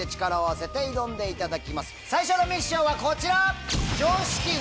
最初のミッションはこちら！